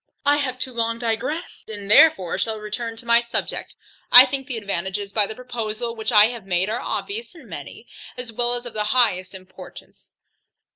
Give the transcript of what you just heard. I have too long digressed, and therefore shall return to my subject. I think the advantages by the proposal which I have made are obvious and many, as well as of the highest importance.